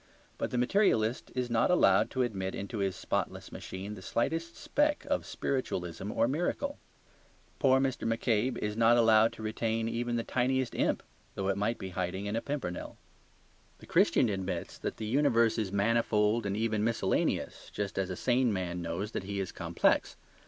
But the materialist is not allowed to admit into his spotless machine the slightest speck of spiritualism or miracle. Poor Mr. McCabe is not allowed to retain even the tiniest imp, though it might be hiding in a pimpernel. The Christian admits that the universe is manifold and even miscellaneous, just as a sane man knows that he is complex.